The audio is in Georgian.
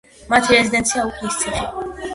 მათი რეზიდენციაა უფლისციხე.